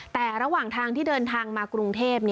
แต่ระหว่างทางที่เดินทางมากรุงเทพ